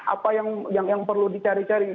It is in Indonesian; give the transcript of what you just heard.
apa yang perlu dicari cari